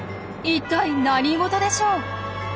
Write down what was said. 一体何事でしょう？